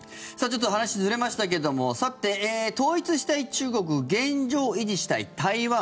ちょっと話がずれましたけども統一したい中国現状維持したい台湾。